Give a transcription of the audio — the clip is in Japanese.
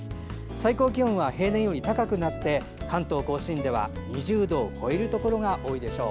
最高気温は平年より高くなって関東・甲信では２０度を超えるところが多いでしょう。